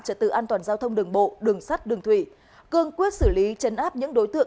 trật tự an toàn giao thông đường bộ đường sắt đường thủy cương quyết xử lý chấn áp những đối tượng